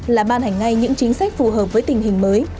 là ban hành ngay những chính sách phù hợp với tình hình mới